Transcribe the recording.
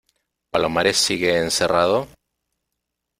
¿ palomares sigue encerrado?